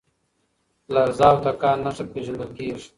لرزه او تکان نښه پېژندل کېږي.